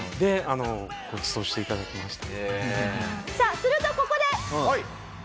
さあするとここで！